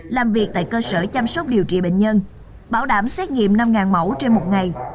làm việc tại cơ sở chăm sóc điều trị bệnh nhân bảo đảm xét nghiệm năm mẫu trên một ngày